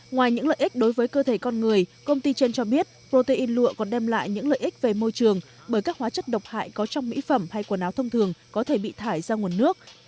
ngoài những lợi ích đối với cơ thể con người công ty trên cho biết protein lụa còn đem lại những lợi ích về môi trường bởi các hóa chất độc hại có trong mỹ phẩm hay quần áo thông thường có thể bị thải ra nguồn nước